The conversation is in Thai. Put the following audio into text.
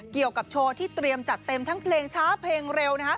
เกี่ยวกับโชว์ที่เตรียมจัดเต็มทั้งเพลงช้าเพลงเร็ว